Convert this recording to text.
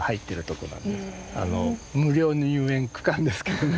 無料の遊園区間ですけどね